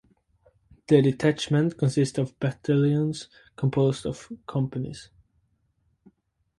The detachment consists of battalions composed of companies.